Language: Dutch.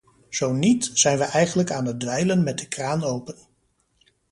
Zo niet, zijn wij eigenlijk aan het dweilen met de kraan open.